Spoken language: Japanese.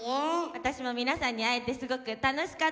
私も皆さんに会えてすごく楽しかったです。